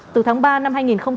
từ tháng ba năm hai nghìn hai mươi